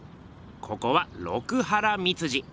ここは六波羅蜜寺！